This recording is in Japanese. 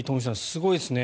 すごいですね。